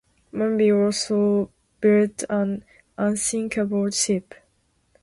Manby also built an "unsinkable" ship.